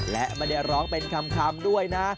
และไม่ได้ร้องเป็นคำด้วยนะ